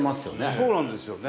そうなんですよね。